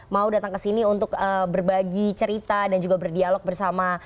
mau datang ke sini untuk berbagi cerita dan juga berdialog bersama